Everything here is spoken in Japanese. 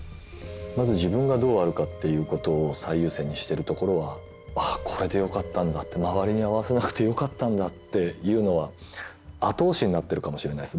まず自分がどうあるかっていうことを最優先にしてるところはああこれでよかったんだって周りに合わせなくてよかったんだっていうのは後押しになってるかもしれないです